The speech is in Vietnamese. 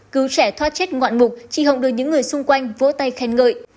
cứu trẻ thoát chết ngoạn mục chị hồng được những người xung quanh vỗ tay khen ngợi